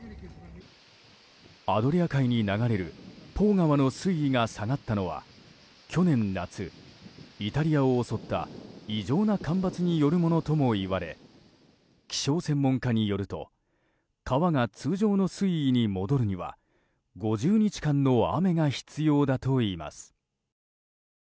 アドリア海に流れるポー川の水位が下がったのは去年夏、イタリアを襲った異常な干ばつによるものともいわれ気象専門家によると川が通常の水位に戻るには５０日間の雨が必要だといいます。